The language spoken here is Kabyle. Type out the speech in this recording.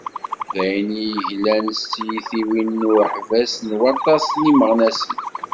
D ayen i d-yeglan s tyitiwin d uḥbas n waṭas n yimeɣnasen.